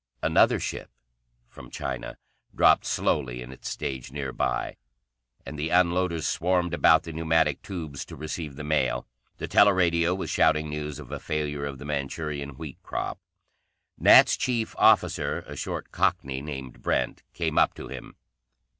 Another ship, from China, dropped slowly to its stage near by, and the unloaders swarmed about the pneumatic tubes to receive the mail. The teleradio was shouting news of a failure of the Manchurian wheat crop. Nat's chief officer, a short cockney named Brent, came up to him.